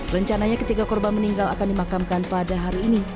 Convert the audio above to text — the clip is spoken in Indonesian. rencananya ketiga korban meninggal akan dimakamkan pada hari ini